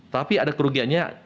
tapi ada kerugiannya